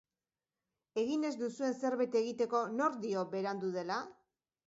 Egin ez duzuen zerbait egiteko, nork dio berandu dela?